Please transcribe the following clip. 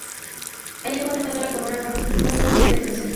Allí encuentra una sala con una hermosa luz en el centro.